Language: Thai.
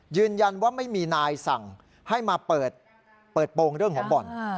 ยืนยันว่าไม่มีนายสั่งให้มาเปิดโปรงเรื่องของบ่อน